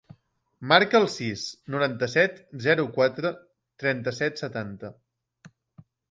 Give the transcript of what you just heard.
Marca el sis, noranta-set, zero, quatre, trenta-set, setanta.